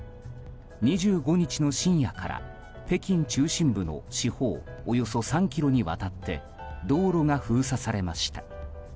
２５日の深夜から北京中心部の四方およそ３ｋｍにわたって道路が封鎖されました。